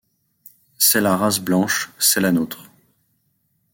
C’est la race blanche, c’est la nôtre !